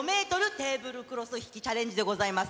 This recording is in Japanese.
テーブルクロス引きチャレンジでございます。